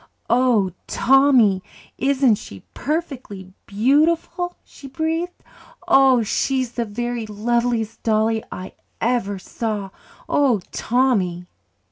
"Oh, Tommy, isn't she perfectly beautiful?" she breathed. "Oh, she's the very loveliest dolly I ever saw. Oh, Tommy!"